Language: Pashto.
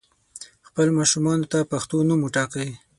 خپل ماشومانو ته پښتو نوم وټاکئ